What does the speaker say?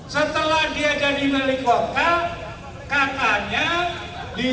saya ini bukan ini